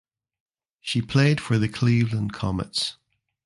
She played for the Cleveland Comets.